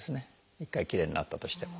一回きれいになったとしても。